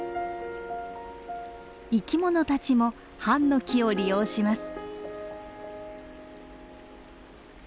生き物たちもハンノキを利用します。